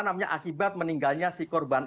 namanya akibat meninggalnya si korban